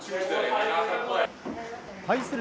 対する